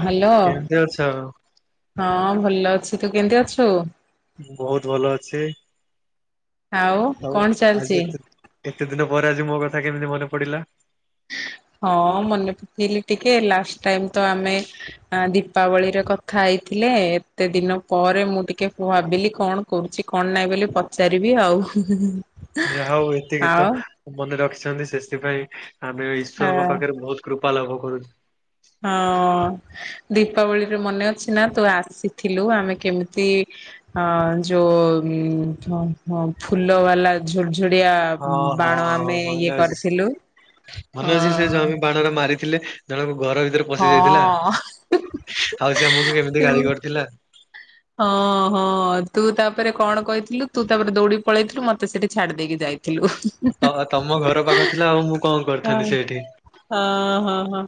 Hello କେମିତି ଅଛ? ହଁ ଭଲ ଅଛି। ତୁ କେମିତି ଅଛୁ? ବହୁତ ଭଲ ଅଛି। ଆଉ କଣ ଆଜି ଚାଲିଛି। ଏତେ ଏତେ ଦିନ ପରେ ଆଜି ମୋ କଥା କେମିତି ମନେ ପଡିଲା? ହଁ ମନେ ପକେଇଲି ଟିକେ ଲାଷ୍ଟ ଟାଇମ ତ ଆମେ ଆ ଦୀପାବଳିରେ କଥା ହେଇଥିଲେ। ଏତେ ଦିନ ପରେ ମୁଁ ଟିକେ ଭାବିଲି କଣ କରୁଛି କଣ ନାହିଁ ବୋଲି ପଚାରିବି ଆଉ। ଯାହା ହଉ ଏତିକି ତ ଆଉ ମନେ ରଖିଛନ୍ତି ସେଥିପାଇଁ ଆମେ ଈଶ୍ଵରଙ୍କ ହଁ ପାଖରେ ବହୁତ କୃପା ଲାଭ କରୁଛୁ। ହଁ ଦୀପାବଳିରେ ମନେ ଅଛି ନା ତୁ ଆସିଥିଲୁ ଆମେ କେମିତି ଅ ଯୋଉ ଫୁଲ ବାଲା ଝୁଡିଝୁଡିଆ ହଁ ହଁ ବାଣ ହଁ ଆମେ ମନେ ଇଏ ଅଛି। କରିଥିଲୁ। ଅ ମନେ ଅଛି ସେ ଯୋଉ ଆମେ ମାରିଥିଲେ ଜଣକ ଘର ଭିତରେ ପଶି ଯାଇଥିଲା। ହଁ ଆଉ ସେ ଆମକୁ କେମିତି ତୁ ଗାଳି କରିଥିଲା। ହଁ ହଁ ତୁ ତାପରେ କଣ କହିଥିଲୁ। ତୁ ତାପରେ ଦୌଡି ପଳେଇଥିଲୁ। ମତେ ସେଠି ଛାଡି ଦେଇକି ଯାଇ ଥିଲୁ। ତ ତମ ଘର ପାଖ ଥିଲା ଆଉ ମୁଁ କଣ ହଁ କରିଥାନ୍ତି ସେଇଠି? ହଁ ହଁ ହଁ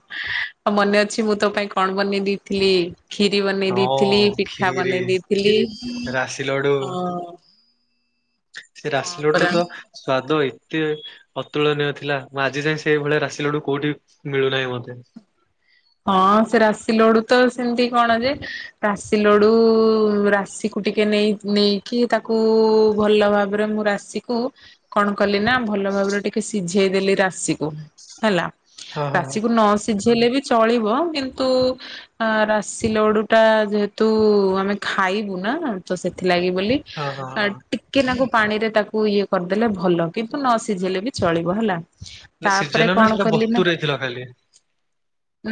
ଆଉ ମନେ ଅଛି ମୁଁ ତୋ ପାଇଁ କଣ ବନେଇ ଦେଇଥିଲି? ଖିରି ବନେଇ ହଁ ଦେଇଥିଲି, ପିଠା ଖିରି ବନେଇ ଦେଇଥିଲି ରାଶି ଲଡୁ ହଁ। ସେ ହଁ ରାଶି ଲଡୁ ର ପରା। ତ ସ୍ବାଦ ଏତେ ଅତୁଳନୀୟ ଥିଲା। ଆଜି ଯାଏଁ ସେଇଭଳିଆ ରାଶି ଲଡୁ କୋଉଠି ମିଳୁନାହିଁ ମତେ। ହଁ ସେ ରାଶି ଲଡୁ ତ ସେମିତି କଣ ଯେ ରାଶି ଲଡୁ ରାଶିକୁ ଟିକେ ନେଇ ନେଇକି ତାକୁ ଭଲ ଭାବରେ ମୁଁ ରାଶ୍ ଇକୁ କଣ କଲି ନା ଭଲ ଭାବରେ ଟିକେ ସିଝେଇ ଦେଲି ରାଶିକୁ। ହେଲା। ହଁ ହଁ ହଁ। ରାଶିକୁ ନ ସିଝେଇଲେ ବି ଚଳିବ କିନ୍ତୁ ଅ ରାଶି ଲଡୁ ଟା ଯେହେତୁ ଆମେ ଖାଇବୁ ନା ତ ସେଥିଲାଗି ବୋଲି ହଁ ହଁ ଆ ହଁ ଟି କେ ନାକୁ ପାଣିରେ ତାକୁ ଇଏ କରିଦେଲେ ଭଲ। କିନ୍ତୁ ନ ସିଝେଇଲେ ବି ଚଳିବ ହେଲା? ମାନେ ତାପରେ ସିଜେଇଲ ନା କଣ ସେଟା କଲି ନା ବତୁରେଇ ଥିଲ ଖାଲି?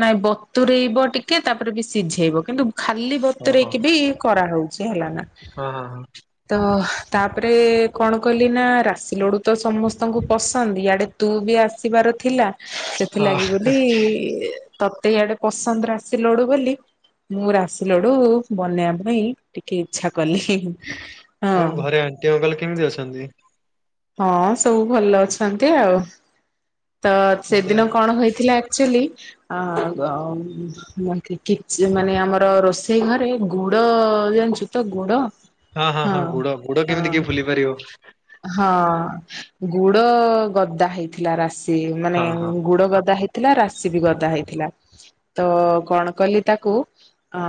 ନାଇଁ ବତୁରଇବ ଟିକେ ତାପରେ ବି ସିଝେଇବ। କିନ୍ତୁ ଖାଲି ଓହୋ। ବତୁରେଇକି ବି କରାହଉଛି ହେଲା ନା? ହଁ ହଁ ତ ତାପରେ କଣ କଲି ନା ରାଶି ଲଡୁ ତ ସମସ୍ତଙ୍କୁ ପସନ୍ଦ। ଇଆଡେ ତୁ ବି ଆସିବାର ଥିଲା। ହଁ ହଁ। ସେଥିଲାଗି ବୋଲି ତତେ ଇଆଡେ ପସନ୍ଦ ରାସି ଲଡୁ ବୋଲି ମୁଁ ରାଶି ଲଡୁ ବନେଇବା ପାଇଁ ଟିକେ ଇଚ୍ଛା କଲି। ଆଉ ହଁ ଘରେ ଆଣ୍ଟି ଅଙ୍କଲ କେମିତି ଅଛନ୍ତି? ହଁ ସବୁ ଭଲ ଅଛନ୍ତି ଆଉ। ତ ସେଦିନ କଣ ହେଇଥିଲା ଆକ୍ଚୁଲି ଅ ମୋର ଟିକେ ମାନେ ଆମର ରୋଷେଇ ଘରେ ଗୁଡ ଜାଣିଛୁ ତ ଗୁଡ? ହଁ ହଁ ହଁ ଗୁଡ ଗୁଡ ହଁ କେମିତି କିଏ ଭୁଲି ପାରିବ? ହଁ ଗୁଡ ଗଦା ହେଇଥିଲା। ରାଶି ମାନେ ହଁ ହଁ ଗୁଡ଼ ଗଦା ହେଇ ଥିଲା ରାଶି ବି ଗଦା ହେଇଥିଲା। ତ କଣ କଲି ତାକୁ ଆ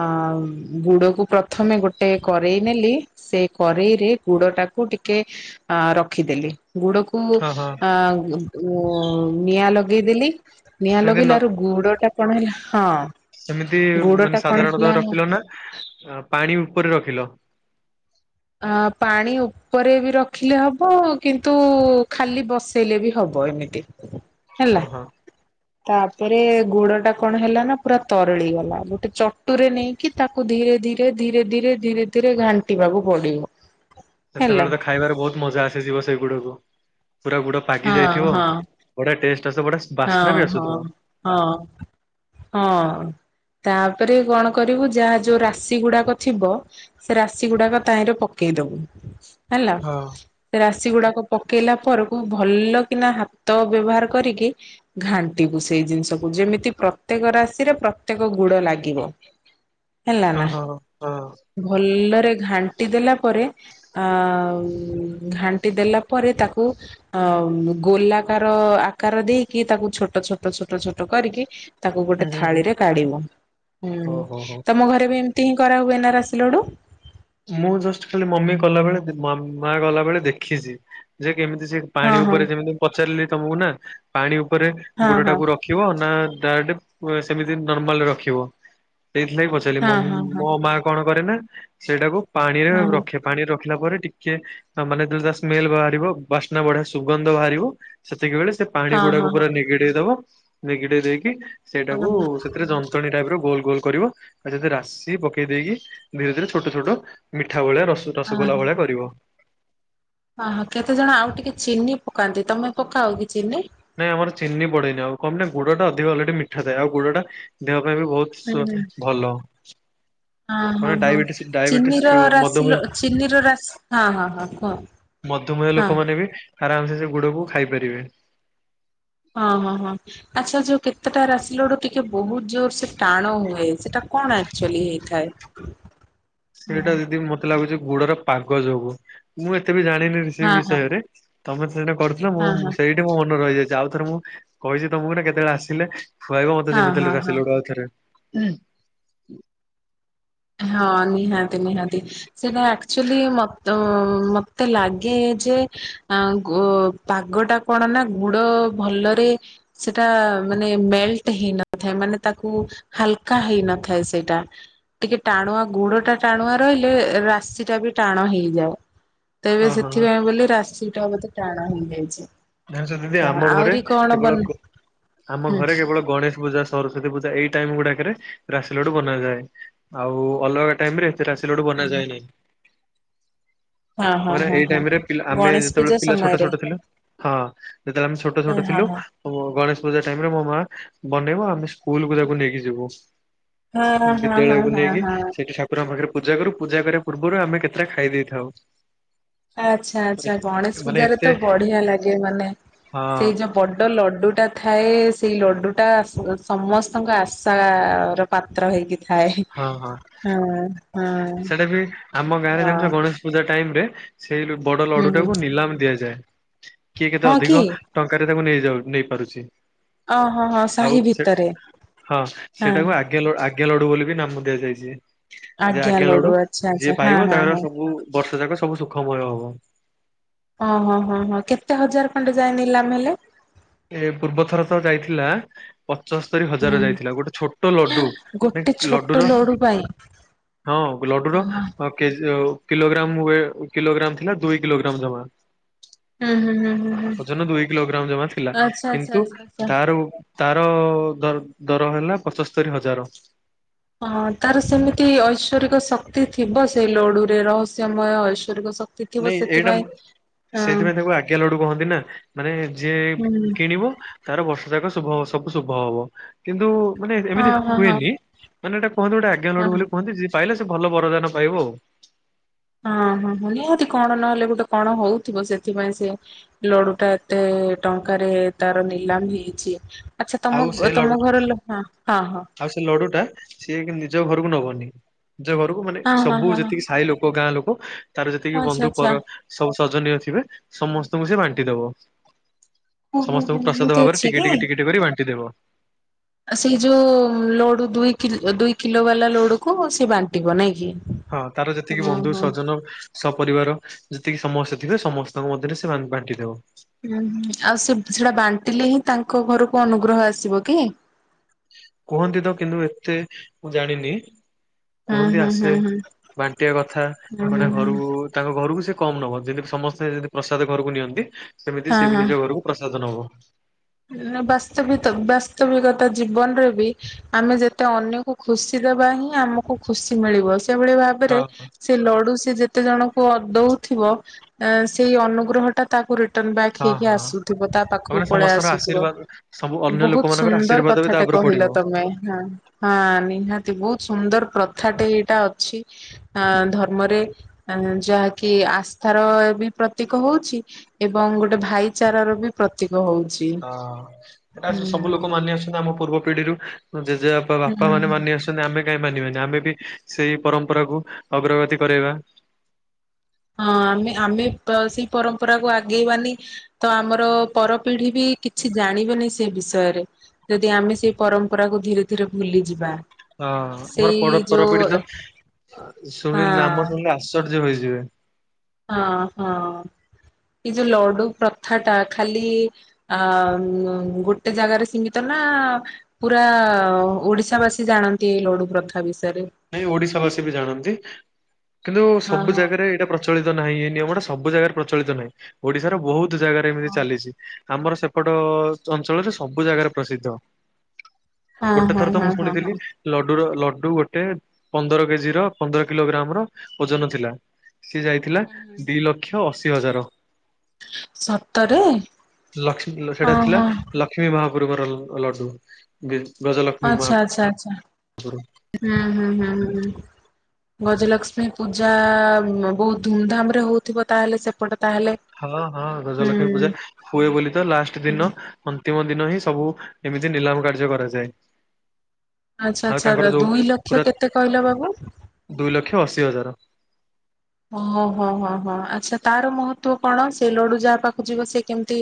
ଗୁଡକୁ ପ୍ରଥମେ ଗୋଟେ କରେଇ ନେଲି ସେ କରେଇରେ ଗୁଡ ଟାକୁ ଟିକେ ଆ ରଖିଦେଲି ଗୁଡ଼କୁ ହଁ ହଁ। ନିଆଁ ଲଗେଇଦେଲି। ନିଆଁ ସେମିତି ନ ଲଗେଇଲାରୁ ଗୁଡଟା କଣ ହେଲା ହଁ। ସେମିତି ଗୁଡ ଟା ମାନେ କଣ ସାଧାରଣତଃ ହେଲା ରଖିଲ ନା ପାଣି ଉପରେ ରଖିଲ? ଆ ପାଣି ଉପରେ ବି ରଖିଲେ ହବ କିନ୍ତୁ ଖାଲି ବସେଇଲେ ବି ହବ ଏମିତି? ହେଲା। ଓହୋ ତାପରେ ଗୁଡ଼ଟା କଣ ହେଲା ନା ପୁରା ତରଳି ଗଲା ଗୁଟେ ଚଟୁରେ ନେଇ କି ତାକୁ ଧୀରେ ଧୀରେ ଧୀରେ ଧୀରେ ଧୀରେ ଧୀରେ ଘାଣ୍ଟିବାକୁ ପଡି଼ବ। ସେତେବେଳେ ତ ଖାଇବାରେ ବହୁତ ମଜା ଆସିଯିବ ସେଇ ଗୁଡ଼କୁ ପୁରା ଗୁଡ଼ ପାଗି ହଁ ଯାଇଥିବ। ହଁ ବଢିଆ ଟେଷ୍ଟ ଆସେ ବଢିଆ ସ୍ମେ ହଁ ହଁ ହଁ ହଁ। ତାପରେ କଣ କରିବୁ ଯାହା ଯୋଉ ରାଶି ଗୁଡ଼ାକ ଥିବ। ସେ ରାଶି ଗୁଡ଼ାକ ତାହିଁରେ ପକେଇଦବୁ ହେଲା। ହଁ ସେ ରାଶି ଗୁଡାକ ପକେଇଲା ପରକୁ ଭଲ କିନା ହାତ ବ୍ୟବହାର କରିକି ଘାଣ୍ଟିବୁ ସେଇ ଜିନିଷକୁ ଯେମିତି ପ୍ରତ୍ୟେକ ରାଶିରେ ପ୍ରତ୍ୟେକ ଗୁଡ଼ ଲାଗିବ। ହେଲା ନା ହଁ ହଁ ହଁ ଭଲରେ ଘାଣ୍ଟି ଦେଲା ପରେ ଆ ଘାଣ୍ଟି ଦେଲା ପରେ ତାକୁ ଅ ଗୋଲାକାର ଆକାର ଦେଇକି ତାକୁ ଛୋଟ ଛୋଟ ଛୋଟ ଛୋଟ କରିକି ତାକୁ ଗୋଟେ ହୁଁ ହୁଁ ହୁଁ ଥାଳିରେ କାଢି଼ବ ହୁଁ ଓହୋ ହୋ ତମ ଘରେ ବି ଏମତି ହିଁ କରାହୁଏ ନା ରାଶି ଲଡ଼ୁ। ମୁଁ ଜଷ୍ଟ ଖାଲି ମମି କଲାବେଳେ ମା ଗଲାବେଳେ ଦେଖିଛି ଯେ କେମିତି ସେ ହଁ ପାଣି ହଁ ଉପରେ ଯେମିତି ମୁ ପଚାରିଲି ତମକୁ ନା ପାଣି ଉପରେ ହଁ ଗୁଡଟାକୁ ରଖ ହଁ ରଖିବ ନା ଡାଇରେକ୍ଟ ସେମିତି ନର୍ମାଲରେ ରଖିବ ସେଇଥିଲାଗି ପଚାରୁ ହଁ ହଁ ମୋ ମା କଣ କରେ ନା ସେଇଟାକୁ ପାଣିରେ ହଁ ହଁ ରଖେ। ପାଣି ରଖିଲା ପରେ ଟିକେ ମାନେ ତା ସ୍ମେଲ ବାହାରିବ ବାସ୍ନା ବଢିଆ ସୁଗନ୍ଧ ବାହାରିବ। ସେତିକିବେଳେ ସେ ପାଣି ହଁ ଗୁଡାକୁ ହଁ ହଁ। ପୁରା ନିଗେଡେଇ ଦବ ନିଗେଡେଇ ଦେଇକି ସେଇଟାକୁ ଓହୋ ସେଥିରେ ଯ [inaudible] ଟାଇପର ଗୋଲ ଗୋଲ କରିବ ଆ ରାଶି ପକେଇ ଦେଇକି ଧୀରେ ଧୀରେ ଛୋଟ ଛୋଟ ମିଠା ଭଳିଆ ରସ ରସଗୋଲା ଆହଁ ହ। ଭଳିଆ କରିବ। ହଁ କେତେଜଣ ଆଉ ଟିକେ ଚିନି ପକାନ୍ତି ତମେ ପକାଅ କି ଚିନି? ନାଇଁ ଆମର ଚିନି ପଡେ଼ନି ଆଉ କମ ନା ଗୁଡଟା ଅଧିକ ଅଲରେଡି ମିଠା ଥାଏ ଆଉ ଗୁଡ ଟା ଦେହ ପାଇଁ ବି ହୁଁ ବହୁତ ହୁଁ ଭଲ। ହଁ କଣ ହଁ ହଁ ଡାଇବେଟିସ ଡାଇବେଟିସ ଚିନିର ରାସି ମଧୁମେହ ଲ ଚିନି ର ରାସି ହଁ ହଁ ହଁ କୁହ? ମଧୁମୟ ହଁ। ଲୋକମାନେ ବି ଆରାମସେ ସେ ଗୁଡକୁ ଖାଇପାରିବେ? ହଁ ହଁ ହଁ। ଆଚ୍ଛା ଯୋଉ କେତେଟା ରାସି ଲଡ଼ୁ ଟିକେ ବହୁତ ଜୋର ସେ ଟାଣ ହୁଏ ସେଟା କଣ ଆକଚୁଆଲି ହେଇଥାଏ? ହଁ ସେଇଟା ଦିଦି ମତେ ଲାଗୁଛି ଗୁଡ଼ର ପାଗ ଯୋଗୁ ମୁଁ ଏତେ ବି ଜାଣିନି? ସେ ହଁ ହଁ ବିଷୟରେ ତମେ ତ ଥରେ କରୁଥିଲ ହଁ ମୁଁ ସେଇ ମୋ ମନେ ରହିଯାଇଛି ଆଉଥରେ ମୁଁ କହିଛି ତମକୁ ନା କେତେବେଳେ ଆସିଲେ? ଖୁଆଇବ ମତେ ହଁ ଯେମିତି ହଁ ହେଲେ ହଁ ରାସିଲଡ଼ୁ ଆଉଥରେ? ହଁ ନିହାତି ନିହାତି। ସେଇଟା ଆକ୍ଚୁଆଲି ମ ମତେ ଲାଗେ ଯେ ଆଁ ଗୁ ପାଗ ଟା କଣ ନା ଗୁଡ଼ ଭଲରେ ସେଇଟା ମାନେ ମେଲଟ ହେଇନଥାଏ ମାନେ ତାକୁ ହାଲକା ହେଇନଥାଏ ସେଇଟା। ଟିକେ ଟାଣୁଆ ଗୁଡ଼ ଟା ଟାଣୁଆ ରହିଲେ ରାଶି ଟା ବି ଟାଣ ହେଇଯାଏ। ତେବେବେଳେ ହଁ ହଁ ହଁ ସେଥିପାଇଁ ବୋଲି ରାଶିଟା ବୋଧେ ଟାଣ ହେଇଯାଇଛି। ଜାଣିଛ ଦିଦି ଆମ ଘରେ ଆହୁରି କଣ ବନ କେବଳ ଘ ଆମ ହୁଁ ଘରେ କେବଳ ଗଣେଶ ପୂଜା ସରସ୍ଵତୀ ପୂଜା ଏଇ ଟାଇମ ଗୁଡ଼ାକରେ ରାଶି ଲଡୁ଼ ବନାଯାଏ। ଆଉ ଅଲଗା ଟାଇମ ରେ ଏ ରାସିଲୋଡ଼ୁ ବନା ଯାଏ ନାହିଁ। ହଁ ମାନେ ଏଇ ଟାଇମରେ ପିଲା ଆମେ ଗଣେଶ ପୂଜା ଯେତେବେଳେ ପିଲା ଛୋଟ ସମୟରେ ଛୋଟ ଥିଲୁ ହଁ ଯେତେବେଳେ ଆମେ ଛୋଟ ହଁ ଛୋଟ ହଁ ଥିଲୁ ସବୁ ଗଣେଶ ପୂଜା ଟାଇମରେ ମୋ ମା ବନେଇବ ଆମେ ସ୍କୁଲକୁ ତାକୁ ନେଇକି ଯିବୁ। ହଁ ହଁ ହଁ ହଁ ବିଦ୍ୟାଳୟକୁ ହଁ ନେଇକି ହଁ। ସେଠି ତାକୁ କୁରଙ୍କ ପାଖରେ ପୂଜା କରୁ ପୂଜା କରିବା ପୂର୍ବରୁ ଆମେ କେତେଟା ଖାଇ ଦେଇଥାଉ। ଆଚ୍ଛା ଆଚ୍ଛା ଗଣେଶ ମାନେ ପୂଜାରେ ଏତେ ତ ବଢିଆ ଲାଗେ ମାନେ ହଁ ସେଇ ଯୋଉ ବଡ଼ ଲଡ଼ୁଟା ଥାଏ ସେଇ ଲଡ଼ୁଟା ସମସ୍ତଙ୍କ ଆଶାର ପାତ୍ର ହେଇକି ଥାଏ। ହଁ ହଁ ହଁ ହଁ। ସେଟା ବି ଆମ ଗାଁରେ ହଁ ଜାଣିଛ ଗଣେଶ ପୂଜା ଟାଇମ ରେ ସେଇ ବଡ ଲଡୁ ହୁଁ ଟାକୁ ନିଲାମ ଦିଆଯାଏ। କିଏ କେତେ ହଁ କି ଅଧିକ ଟଙ୍କାରେ ତାକୁ ନେଇଯାଉ ନେଇ ପାରୁଛି। ଓ ହଁ ହଁ ଆଉ ସାହି ସେ ଭିତରେ ହଁ ହଁ। ସେଟାକୁ ଆଜ୍ଞା ଲ ଆଜ୍ଞା ଆଜ୍ଞା ଲଡୁ ବୋଲି ବି ନାମ ଦିଆଯାଇଛି ଯେ ଆଜ୍ଞା ଲଡୁ ଆଚ୍ଛା ଆଚ୍ଛା ଯିଏ ହଁ ପାଇବ ହଁ ତାଙ୍କର ହଁ। ସବୁ ବର୍ଷ ଯାକ ସବୁ ସୁଖମୟ ହବ। ହଁ ହଁ ହଁ କେତେ ହଜାର ଖଣ୍ଡେ ଯାଏ ନିଲାମ ହେଲେ? ଏ ପୂର୍ବ ଥର ତ ଯାଇଥିଲା ପଞ୍ଚସ୍ତରୀ ହଜାର ହୁଁ ଯାଇଥିଲା ଗୋଟେ ଛୋଟ ଲଡୁ ଗୋଟେ ଛୋଟ ଲଡୁର। ଲଡୁ ପାଇଁ ହଁ ଲଡୁର ହଁ କେଜି ଗ କିଲୋଗ୍ରାମ ୱେ କିଲୋଗ୍ରାମ ଥିଲା ଦୁଇ କିଲୋଗ୍ରାମ ଜମା ହୁଁ ହୁଁ ହୁଁ ହୁଁ ହୁଁ। ଓଜନ ଦୁଇ କିଲୋଗ୍ରାମ ଜମା ଥିଲା। ଆଚ୍ଛା ଆଚ୍ଛା କିନ୍ତୁ ଆଚ୍ଛା ଆଚ୍ଛା। ତାର ଉ ତାର ଦର ଦର ହେଲା ପଞ୍ଚସ୍ତରୀ ହଜାର। ହଁ ତାର ସେମିତି ଐଶ୍ୱରିକ ଶକ୍ତି ଥିବ ସେଇ ଲଡୁରେ ରହସ୍ୟମୟ ଐଶ୍ଵରିକ ଶକ୍ତି ଥିବ ନାଇଁ ଏଇଟା ସେଥିପାଇଁ ହଁ ସେଇଥିପାଇଁ ତାକୁ ଆଜ୍ଞା ଲଡୁ କହନ୍ତି ନା ମାନେ ଯିଏ ହୁଁ କିଣିବ ତାର ବର୍ଷ ଯାକ ଶୁଭ ହବ ସବୁ ଶୁଭ ହବ। କିନ୍ତୁ ମାନେ ହଁ ଏମିତି ହଁ ହଁ ହୁଏନି। ମାନେ ଏଟା କୁହନ୍ତି ଗୋଟେ ଆଜ୍ଞା ଲଡୁ ହଁ। ବୋଲି କୁହନ୍ତି ଯିଏ ପାଇଲା ସେ ଭଲ ବରଦାନ ପାଇବ ଆଉ। ହଁ ହଁ ହଁ ନିହାତି କଣ ନହେଲେ ଗୋଟେ କଣ ହଉଥିବ ସେଥିପାଇଁ ସିଏ ଲଡୁ ଟା ଏତେ ଟଙ୍କାରେ ତାର ନିଲାମ ହେଇଛି। ଆଚ୍ଛା ଆଉ ସେ ତମ ଲଡୁ ତମ ଘର ଲୋ ହଁ ହଁ ଆଉ ସେ ଲଡୁଟା ସିଏ ଏକ ନିଜ ଘରକୁ ନବନି। ନିଜ ଘରକୁ ମାନେ ହଁ ହଁ ସବୁ ହଁ ହଁ ହଁ ଯେତିକି ସାହି ଲୋକ ଗାଁ ଲୋକ ତାର ଯେତିକି ଆଚ୍ଛା ବନ୍ଧୁ ଆଚ୍ଛା କର ସବୁ ସଜନୀୟ ଥିବେ ସମସ୍ତଙ୍କୁ ସେ ବାଣ୍ଟି ଦବ। ଓ ହୋ ହୋ ସମସ୍ତଙ୍କୁ ପ୍ରସାଦ ଏମିତି ଭାବରେ ଅଛି ଟିକେ ଟିକେ ଟିକେ ଟିକେ କରି ବାଣ୍ଟିଦେବ। ଆ ସେଇ ଯୋଉ ଲୋଡୁ ଦୁଇ କିଲୋ ଦୁଇ କିଲୋ ବାଲା ଲଡୁକୁ ସେ ବାଣ୍ଟିବ ନାଇଁ କି। ହଁ ତାର ଓ ଯେତିକି ବନ୍ଧୁ ହୋ। ସଜନ ସପରିବାର ଯେତିକି ସମସ୍ତେ ଥିବେ ସମସ୍ତଙ୍କ ମଧ୍ୟରେ ସେ ବା-ବାଣ୍ଟି ଦବ। ହୁଁ ହୁଁ ଆଉ ସେ ସେଟା ବାଣ୍ଟିଲେ ହିଁ ତାଙ୍କ ଘରକୁ ଅନୁଗ୍ରହ ଆସିବ କି? କୁହନ୍ତି ତ କିନ୍ତୁ ଏତେ ମୁଁ ଜାଣିନି। ହୁଁ କୁହନ୍ତି ହୁଁ ଆସେ ହୁଁ ହୁଁ ବାଣ୍ଟିବା କଥା ହୁଁ ହୁଁ ମାନେ ହୁଁ ଘରକୁ ତାଙ୍କ ଘରକୁ ସେ କମ୍ ନବ ଯେମିତି ସମସ୍ତେ ଯେମିତି ପ୍ରସାଦ ଘରକୁ ନିଅନ୍ତି ସେମିତି ହଁ ସେ ବି ହଁ। ନିଜ ଘରକୁ ପ୍ରସାଦ ନବ। ବାସ୍ତବିତ ବାସ୍ତବିକତା ଜୀବନରେ ବି ଆମେ ଯେତେ ଅନ୍ୟକୁ ଖୁସି ଦେବା ହିଁ ଆମକୁ ଖୁସି ମିଳିବ ସେଭଳି ଭାବ ରେ ହଁ ସେ ଲଡୁ ସେ ଯେତେ ଜଣଙ୍କୁ ଦଉଥିବ ଏ ସେଇ ଅନୁଗ୍ରହ ତାକୁ ରିଟର୍ଣ ବ୍ୟାକ୍ ହଁ ହେଇକି ହଁ। ଆସୁଥିବ ତା ପାଖକୁ ମାନେ ପଳେଇ ସମସ୍ତଙ୍କର ଆସି ଥିବ ଆଶୀର୍ବାଦ ସବୁ ଅନ୍ୟ ବହୁତ ଲୋକମାନଙ୍କର ସୁନ୍ଦର ଆଶୀର୍ବାଦ ବି ତା କଥାଟେ ଉପରେ ପଡିବ। କହିଲ ତମେ ହଁ। ହଁ ନିହାତି ବହୁତ ସୁନ୍ଦର ପ୍ରଥାଟେ ଏଇଟା ଅଛି ଆ ଧର୍ମରେ ଯାହାକି ଆସ୍ଥାର ବି ପ୍ରତୀକ ହଉଛି। ଏବଂ ଗୋଟେ ଭାଇଚାରାର ବି ପ୍ରତୀକ ହଉଛି। ହଁ ଏଟା ହୁଁ ସବୁ ଲୋକ ହୁଁ ମାନିଆସୁଛନ୍ତି ଆମ ପୂର୍ବ ପିଢିରୁ ଜେଜେବା ବା ବାପା ହୁଁ ମାନେ ହଁ ମାନି ଆସୁଛନ୍ତି ଆମେ କାହିଁ ମାନିବେନି ଆମେ ବି ସେଇ ପରମ୍ପରାକୁ ଅଗ୍ରଗତି କରେଇବା। ହଁ ଆମେ ଆମେ ପ ସେଇ ପରମ୍ପରାକୁୁ ଆଗେଇବାନି। ତ ଆମର ପରପିଢି ବି କିଛି ଜାଣିବେନି ସେ ବିଷୟରେ ଯଦି ଆମେ ସେଇ ପରମ୍ପରାକୁୁ ଧୀରେ ଧୀରେ ଭୁଲିଯିବା ହଁ ସେଇ ଆମର ଯୋଉ ପରପୀଡିତ ହଁ ଶୁଣିଲେ ନାମ ଶୁଣିଲେ ଆଶ୍ଚର୍ଯ୍ୟ ହୋଇଯିବେ। ହଁ ହଁ ଏଇ ଯୋଉ ଲଡୁ ପ୍ରଥା ଟା ଖାଲି ଆ ଗୋଟେ ଜାଗାରେ ସୀମିତ ନା ପୁରା ଓଡିଶା ବାସୀ ଜାଣନ୍ତି ଏଇ ଲଡୁ ପ୍ରଥାା ବିଷୟରେ? ନାଇଁ ଓଡିଶା ବାସୀ ବି ଜାଣନ୍ତି କିନ୍ତୁ ହଁ ସବୁ ଜାଗାରେ ଏଇଟା ପ୍ର ପ୍ରଚଳିତ ନାହିଁ ଏ ନିୟମଟା ସବୁ ଜାଗାରେ ପ୍ରଚଳିତ ନାହିଁ ଓଡିଶାର ବହୁତ ଜାଗାରେ ଏମିତି ହଁ ଚାଲିଛି। ଆମର ସେପଟ ଅଞ୍ଚଳରେ ସବୁ ଜାଗାରେ ପ୍ରସିଦ୍ଧ। ହଁ ଗୋଟେ ଥର ତ ହଁ ମୁଁ ଶୁଣି ହଁ ହଁ ଥିଲି ହଁ ଲଡୁର ଲଡୁ ଗୋଟେ ପନ୍ଦର କେଜି ର ପନ୍ଦର କିଲୋଗ୍ରାମ ର ଓଜନ ଥିଲା। ସିଏ ଯାଇଥିଲା ଦି ଲକ୍ଷ ଅଶୀ ହଜାର। ସତରେ ଲକ୍ଷ୍ମୀ ସେଟା ହଁ ଥିଲା ହଁ ଲକ୍ଷ୍ମୀ ମହାପ୍ରଭୁର ଲଡୁ। ଗେ ଗଜଲକ୍ଷ୍ମୀ ଆଚ୍ଛା ମହା ଆଚ୍ଛା ଆଚ୍ଛା ହୁଁ ହୁଁ ହୁଁଁ। ଗଜଲକ୍ଷ୍ମୀ ପୂଜା ବହୁତ ଧୁମଧାମରେ ହଉଥିବ ତାହେଲେ ସେପଟେ ତାହେଲେ? ହଁ ହଁ ଗଜଲକ୍ଷ୍ମୀ ପୂଜା ହୁଁ। ହୁଏ ବୋଲି ତ ଲାଷ୍ଟ ଦିନ ହୁଁ ଅନ୍ତିମ ଦିନ ହିଁ ସବୁ ଏମିତି ନିଲାମ କାର୍ଯ୍ୟ କରାଯାଏ। ଆଚ୍ଛା ଆଉ ଆଚ୍ଛା ତାଙ୍କର ଯୋଉ ଦୁଇ ଲକ୍ଷ ପୁରା କେତେ କହିଲ ବାବୁ? ଦୁଇ ଲକ୍ଷ ଅଶୀ ହଜାର। ଓ ହୋ ହୋ ହୋ ଆଚ୍ଛା ତାର ମହତ୍ଵ କଣ ସେ ଲଡୁ ଯାହା ପାଖକୁ ଯିବ ସେ କେମିତି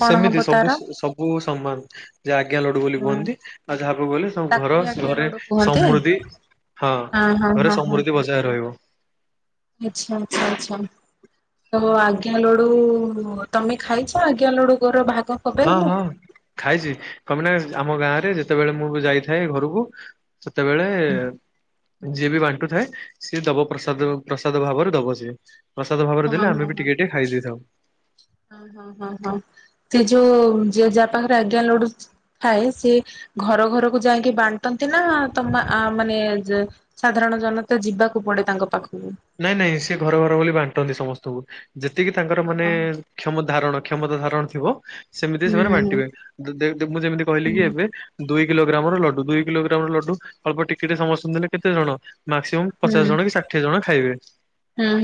କଣ ସେମିତି ହବ ସବୁ ତାର ସବୁ ସମାନ ଯେ ଆଜ୍ଞା ଲଡୁ ବୋଲି ହଁ କୁହନ୍ତି। ଆଉ ଯାହା ପାଖକୁ ଗଲେ ସବୁ ତାକୁ ଘର ବି ଆଜ୍ଞା ସରେ ଲଡୁ କୁହନ୍ତି ସମୃଦ୍ଧି ହଁ ହଁ ଘରେ ହଁ ହଁ। ସମୃଦ୍ଧି ବସି ଜା ରହିବ। ଆଚ୍ଛା ଆଚ୍ଛା ଆଚ୍ଛା। ତ ଆଜ୍ଞା ଲଡୁ ତମେ ଖାଇଛ ଆଜ୍ଞା ଲଡୁ ଗୋର ଭା ହଁ ହଁ ଖାଇଛି କମିନା ଆମ ଗାଁ ରେ ଯେତେବେଳେ ମୁଁ ବି ଯାଇଥାଏ ଘରକୁ ସେତେବେଳେ ଯିଏ ବି ବାଣ୍ଟୁ ଥାଏ ସିଏ ଦବ ପ୍ରସାଦ ପ୍ରସାଦ ଭାବରେ ଦବ ସିଏ ପ୍ରସାଦ ଭାବରେ ହଁ ଦେଲେ ଆମେ ହଁ ବି ହଁ। ଟିକେ ଟିକେ ଖାଇ ଦେଇଥାଉଁ। ହଁ ହଁ ହଁ ହଁ ସେ ଯୋଉ ଯୋ ଯାହା ପାଖରେ ଆଜ୍ଞା ଲଢୁ ଖାଏ ସେି ଘର ଘରକୁ ଯାଇଁ କି ବାଣ୍ଟନ୍ତି ନା ତମ ଆ ମାନେ ଯେ ସାଧାରଣ ଜନତା ଯିବାକୁ ପଡେ ତାଙ୍କ ପାଖକୁ? ନାଇଁ ନାଇଁ ସେ ଘର ଘର ବୋଲି ବାଣ୍ଟନ୍ତି ସମସ୍ତଙ୍କୁ ଯେତିକି ତାଙ୍କର ହଁ ମାନେ ହଁ କ୍ଷମ ଧାରଣ କ୍ଷମତା ଧାରଣ ଥିବ ସେମିତି ସେମାନେ ହୁଁ ବାଣ୍ଟିବେ ମୁଁ ଯେମିତି କହିଲି ହୁଁ କି ଏବେ ଦୁଇ କିଲୋଗ୍ରାମ ର ଲଡୁ ଦୁଇ କିଲୋଗ୍ରାମ ର ଲଡୁ ଅଳ୍ପ ଟିକେ ଟିକେ ସମସ୍ତଙ୍କୁ ଦେଲେ କେତେ ଜଣ ମାକ୍ସିୟମ ପଚାଶ ଜଣ ହୁଁ କି ଷାଠିଏ ଜଣ ଖାଇବେ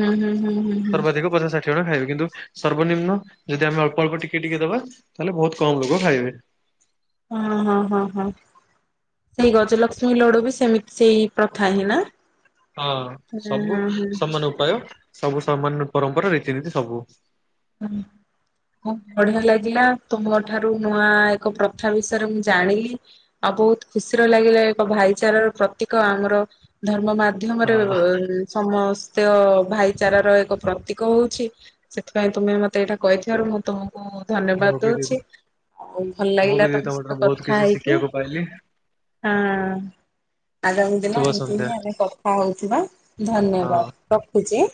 ହୁଁ ହୁଁ ହୁଁ ହୁଁ ହୁଁ। ହୁଁ ହୁଁ। ସର୍ବାଧିକ ପଚାଶା ପାଞ୍ଚଜଣ ଖାଇବେ କିନ୍ତୁ ସର୍ବନିମ୍ନ ଯଦି ଆମେ ଅଳ୍ପ ଅଳ୍ପ ଟିକେ ଟିକେ ଦବା ତାହେଲେ ବୋହୁତ କମ୍ ଲୋକ ଖାଇବେ। ହଁ ହଁ ହଁ ହଁ। ସେଇ ଗଜଲକ୍ଷ୍ମୀ ଲଡୁ ବି ସେମିତି ସେଇ ପ୍ରଥା ହିଁ ନା? ହଁ ହୁଁ ସବୁ ହୁଁ ସମାନ ଉପାୟ ସବୁ ସମାନ ପରମ୍ପରା ରୀତିନୀତି ସବୁ। ହୁଁ। ହୁଁ ବଢିଆ ଲାଗିଲା ତୁମ ଠାରୁ ନୂଆ ଏକ ପ୍ରଥା ବିଷୟରେ ମୁଁ ଜାଣିଲି। ଆଉ ବୋହୁତ ଖୁସିର ଲାଗିଲା ଏକ ଭାଇଚାରାର ପ୍ରତୀକ ଆମର ଧର୍ମ ମାଧ୍ୟ ହଁ ମାଧ୍ୟମରେ ସମସ୍ତ ଭାଇଚାରାର ଏକ ପ୍ରତୀକ ହଉଛି। ପାଇଁ ତୁମେ ମତେ ଏଇଟା କହିଥିବାରୁ ମୁଁ ତୁମକୁ ଧନ୍ୟବାଦ ମୁଁ ବି ଦିଦି ଦଉଚି। ଆଉ ଭଲ ମୁଁ ଲାଗିଲା ବି ଦିଦି ତମ ତମଠାରୁ ସହିତ ବହୁତ କଥା କିଛି ହେଇକି ଶିଖିବାକୁ ପାଇଲି ଆ ଆଗାମୀ ଦିନ ଶୁଭ ଏମତି ସନ୍ଧ୍ୟା। ହିଁ ଆମେ କଥା ହଉଥିବା ହଁ ଧନ୍ୟବାଦ ରଖୁଛି ଆଁ।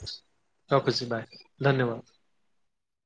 ରଖୁଛି ବାଏ ଧନ୍ୟବାଦ।